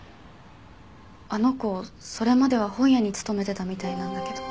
あの子それまでは本屋に勤めてたみたいなんだけど。